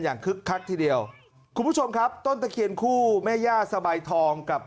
คึกคักทีเดียวคุณผู้ชมครับต้นตะเคียนคู่แม่ย่าสบายทองกับ